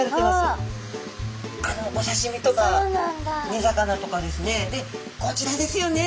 実はでこちらですよね